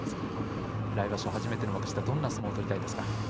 来場所初めての幕下、どんな相撲を取りたいですか。